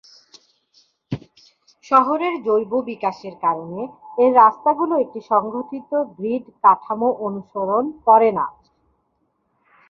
শহরের জৈব বিকাশের কারণে, এর রাস্তাগুলো একটি সংগঠিত গ্রিড কাঠামো অনুসরণ করে না।